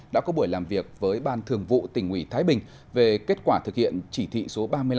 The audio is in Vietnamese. đã có buổi làm việc với ban thường vụ tỉnh ủy thái bình về kết quả thực hiện chỉ thị số ba mươi năm